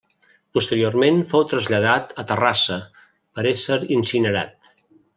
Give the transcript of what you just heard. Posteriorment fou traslladat a Terrassa per ésser incinerat.